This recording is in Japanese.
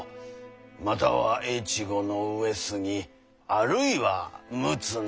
または越後の上杉あるいは陸奥の。